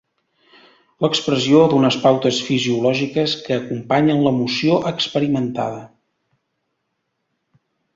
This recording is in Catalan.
L'expressió d'unes pautes fisiològiques que acompanyen l'emoció experimentada.